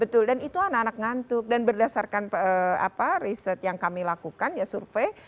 betul dan itu anak anak ngantuk dan berdasarkan riset yang kami lakukan ya survei